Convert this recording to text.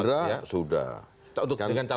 partai gerindra sudah